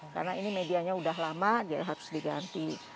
karena ini medianya udah lama jadi harus diganti